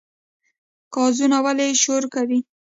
قازونه ولې شور کوي؟